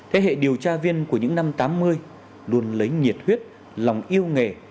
thế hệ điều tra viên của những năm tám mươi luôn lấy nhiệt huyết lòng yêu nghề